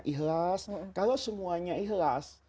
ikhlas kalau semuanya ikhlas